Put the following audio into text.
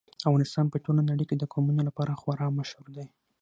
افغانستان په ټوله نړۍ کې د قومونه لپاره خورا مشهور دی.